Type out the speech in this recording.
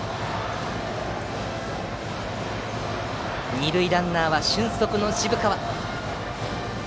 二塁ランナーは俊足の渋川。